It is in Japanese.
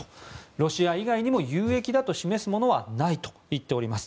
ロシア以外にも有益だと示すものはないと言っております。